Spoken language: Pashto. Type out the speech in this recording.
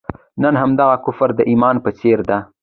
نن همدغه کفر د ایمان په څېر دی.